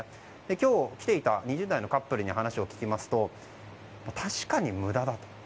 今日来ていた２０代のカップルに話を聞きますと確かに無駄だと。